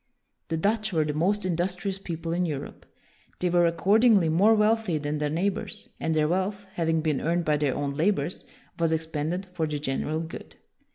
The Dutch were the most industrious people in Europe. They were, accord ingly, more wealthy than their neighbors, and their wealth, having been earned by their own labors, was expended for the general good.